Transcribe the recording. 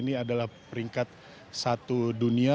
ini adalah peringkat satu dunia